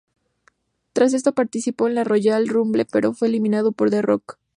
Tras esto, participó en la Royal Rumble, pero fue eliminado por The Rock.